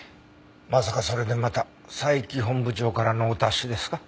まさかそれでまた佐伯本部長からのお達しですか？